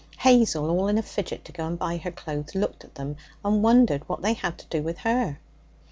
Hazel, all in a fidget to go and buy her clothes, looked at them, and wondered what they had to do with her.